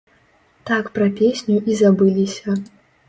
Так пра песню і забыліся.